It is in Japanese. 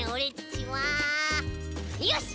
よし！